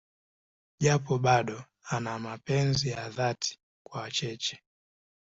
Japo bado ana mapenzi ya dhati kwa Cheche.